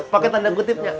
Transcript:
paket tanda kutipnya